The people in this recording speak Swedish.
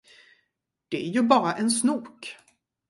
Det är ju bara en snok.